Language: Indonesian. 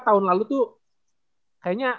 tahun lalu tuh kayaknya